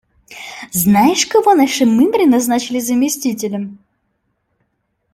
Знаешь, кого нашей мымре назначили заместителем?